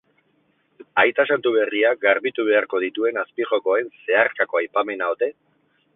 Aita santu berriak garbitu beharko dituen azpijokoen zeharkako aipamena ote?